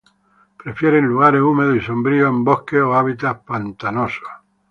Prefieren lugares húmedos y sombríos en bosques o hábitats pantanosos.